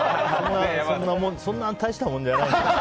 そんな大したもんじゃないけど。